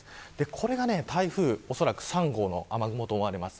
これが台風おそらく３号の雨雲と思われます。